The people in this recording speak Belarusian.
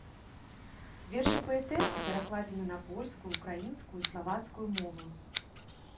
Вершы паэтэсы перакладзены на польскую, украінскую, славацкую мовы.